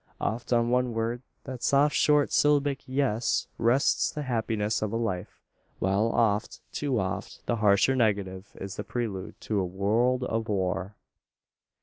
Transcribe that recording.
Oft, on one word that soft short syllabic "Yes" rests the happiness of a life; while oft, too oft, the harsher negative is the prelude to a world of war!